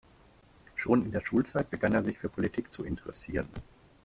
Schon in der Schulzeit begann er sich für Politik zu interessieren.